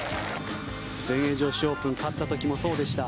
全英女子オープン勝った時もそうでした。